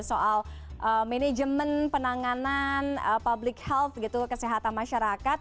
soal manajemen penanganan public health gitu kesehatan masyarakat